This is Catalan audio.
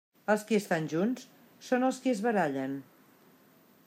Els qui estan junts són els qui es barallen.